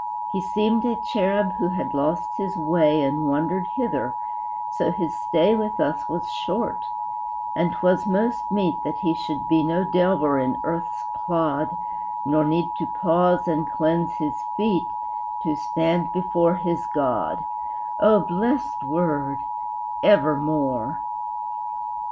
He seemed a cherub who had lost his way And wandered hither, so his stay With us was short, and 'twas most meet That he should be no delver in earth's clod Nor need to pause and cleanse his feet To stand before his God: O blest word Evermore!